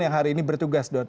yang hari ini bertugas dok